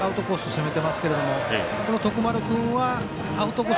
攻めてますけれどもこの徳丸君はアウトコース